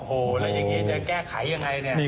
โหแล้วยังไงจะแก้ไขยังไงเนี่ย